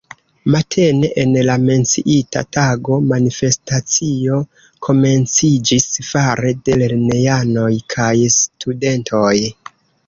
Matene en la menciita tago manifestacio komenciĝis fare de lernejanoj kaj studentoj.